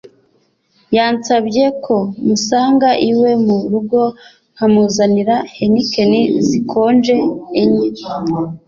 yansabye ko musanga iwe mu rugo nkamuzanira Heinken zikonje enye